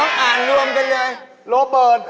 ลองอ่านรวมกันเลย